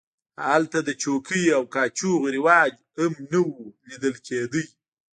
هلته د چوکیو او کاچوغو رواج هم نه و لیدل کېده.